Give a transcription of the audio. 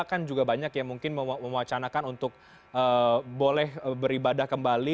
kan juga banyak yang mungkin mewacanakan untuk boleh beribadah kembali